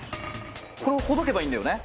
これをほどけばいいんだよね？